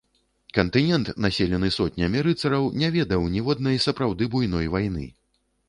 Кантынент, населены сотнямі рыцараў, не ведаў ніводнай сапраўды буйной вайны.